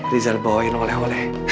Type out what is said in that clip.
rizal bawain oleh oleh